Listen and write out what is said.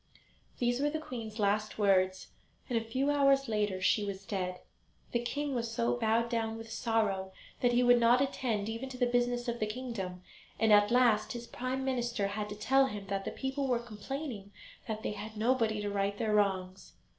These were the queen's last words, and a few hours later she was dead. The king was so bowed down with sorrow that he would not attend even to the business of the kingdom, and at last his Prime Minister had to tell him that the people were complaining that they had nobody to right their wrongs.